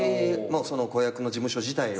その子役の事務所自体を？